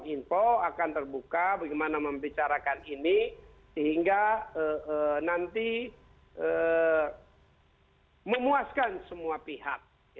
info akan terbuka bagaimana membicarakan ini sehingga nanti memuaskan semua pihak